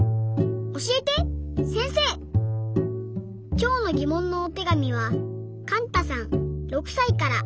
きょうのぎもんのおてがみはかんたさん６さいから。